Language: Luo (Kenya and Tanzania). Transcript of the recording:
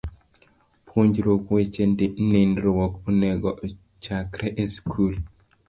Puonjruok weche nindruok onego ochakre e skul.